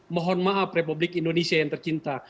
mohon maaf republik indonesia yang tercinta